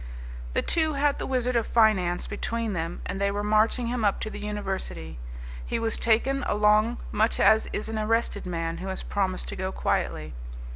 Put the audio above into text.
The two had the Wizard of Finance between them, and they were marching him up to the University. He was taken along much as is an arrested man who has promised to go quietly.